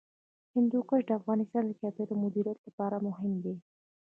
هندوکش د افغانستان د چاپیریال د مدیریت لپاره مهم دي.